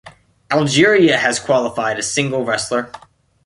Algeria has qualified a single wrestler.